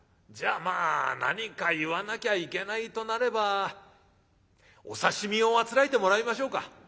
じゃあまあ何か言わなきゃいけないとなればお刺身をあつらえてもらいましょうか」。